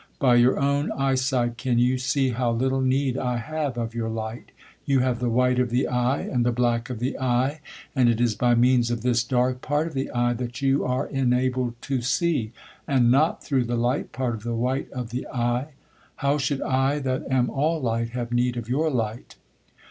By your own eye sight can you see how little need I have of your light. You have the white of the eye and the black of the eye, and it is by means of this dark part of the eye that you are enabled to see, and not through the light part of the white of the eye. How should I, that am all light, have need of your light!"